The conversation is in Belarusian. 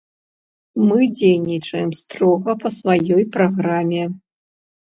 Мы дзейнічаем строга па сваёй праграме.